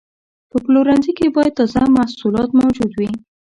په پلورنځي کې باید تازه محصولات موجود وي.